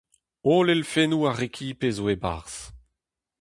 Holl elfennoù ar rekipe zo e-barzh.